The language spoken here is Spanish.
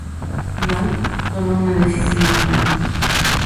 Walt toma una decisión mortal.